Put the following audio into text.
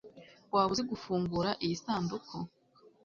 waba uzi gufungura iyi sanduku